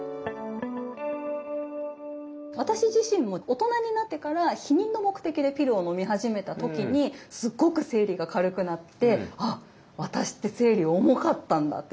私自身も大人になってから避妊の目的でピルを飲み始めた時にすごく生理が軽くなって「あっ私って生理重かったんだ！」